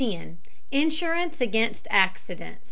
INSURANCE AGAINST ACCIDENT.